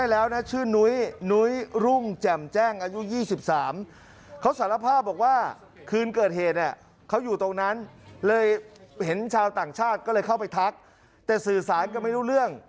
แล้วเห็นชาวต่างชาติก็เลยเข้าไปทักแต่สื่อสารกันไม่รู้เรื่อง